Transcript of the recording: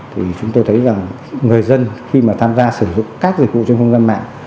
thì chúng tôi thấy rằng người dân khi mà tham gia sử dụng các dịch vụ trên không gian mạng